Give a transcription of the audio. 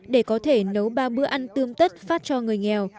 để có thể nấu ba bữa ăn tươm tất phát cho người nghèo